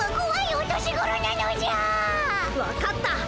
わかった。